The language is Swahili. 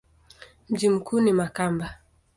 Mji mkuu ni Makamba.